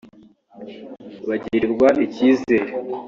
bagirirwa icyizere